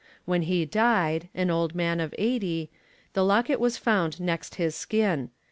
When he died, an old man of eighty, the locket was found next his skin.